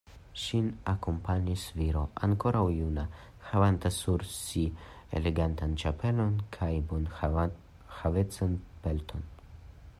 Ŝin akompanis viro ankoraŭ juna, havanta sur si elegantan ĉapelon kaj bonhavecan pelton.